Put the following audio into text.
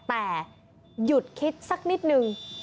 แต่หยุดคิดสักนิดนึง